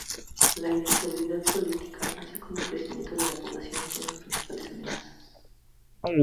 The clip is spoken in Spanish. La inestabilidad política, así como el crecimiento de la población, son las principales amenazas.